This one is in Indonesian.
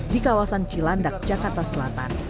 di kawasan cilandak jakarta selatan